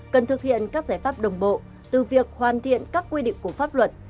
cần thực hiện các giải pháp đồng bộ từ việc hoàn thiện các quy định của pháp luật